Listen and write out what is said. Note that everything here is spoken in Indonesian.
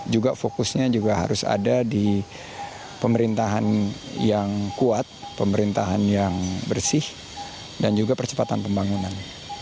juga fokusnya juga harus ada di pemerintahan yang kuat pemerintahan yang bersih dan juga percepatan pembangunan